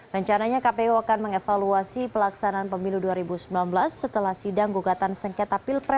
rencananya kpu akan mengevaluasi pelaksanaan pemilu dua ribu sembilan belas setelah sidang gugatan sengketa pilpres